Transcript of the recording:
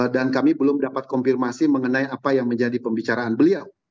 dan kami belum dapat konfirmasi mengenai apa yang menjadi pembicaraan beliau